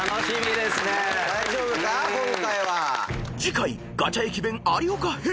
［次回ガチャ駅弁有岡編］